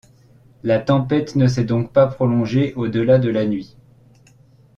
La tempête ne s’est donc pas prolongée au delà de la nuit.